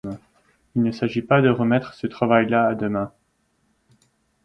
Il ne s’agit pas de remettre ce travail-là à demain.